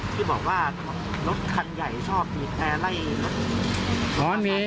ที่บอกว่ารถคันใหญ่ชอบปีดแปรไล่